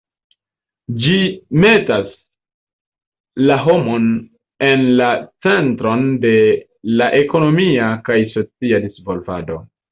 Ĝi metas la homon en la centron de la ekonomia kaj socia disvolvado.